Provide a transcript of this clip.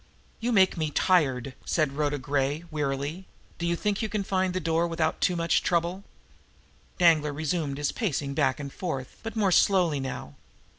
"You make me tired!" said Rhoda Gray wearily. "Do you think you could find the door without too much trouble?" Danglar resumed his pacing back and forth, but more slowly now.